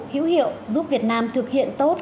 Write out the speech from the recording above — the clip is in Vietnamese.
hữu hiệu giúp việt nam thực hiện tốt